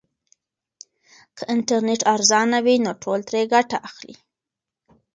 که انټرنیټ ارزانه وي نو ټول ترې ګټه اخلي.